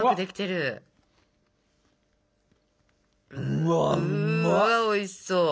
うわおいしそう！